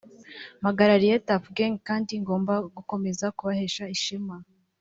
mpagarariye Tuff Gang kandi ngomba gukomeza kubahesha ishema